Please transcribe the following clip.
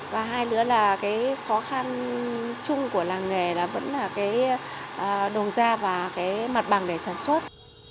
và hai nữa là cái khó khăn chung của làng nghề là vẫn là cái đầu ra và cái mặt bằng để sản xuất